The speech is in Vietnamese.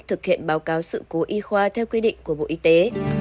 thực hiện báo cáo sự cố y khoa theo quy định của bộ y tế